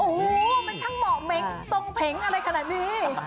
โอ้โหเป็นช่างหมอกเม็กตรงเพ็งอะไรขนาดนี้